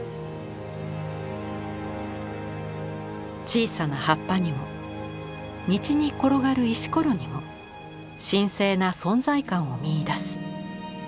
小さな葉っぱにも道に転がる石ころにも神聖な存在感を見いだす。